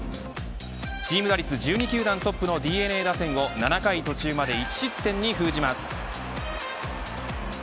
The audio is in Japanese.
チーム打率１２球団トップのＤｅＮＡ打線を７回途中まで１失点に封じます。